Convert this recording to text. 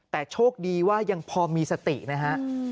แต่โชคดีว่ายังพอมีสตินะฮะ